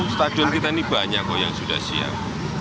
stadion kita ini banyak kok yang sudah siap